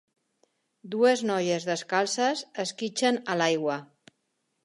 Dues noies descalces esquitxen a l'aigua